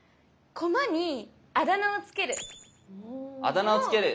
駒にあだ名を付ける。